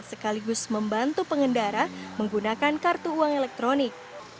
sekaligus membantu pengendara menggunakan kartu uang elektronik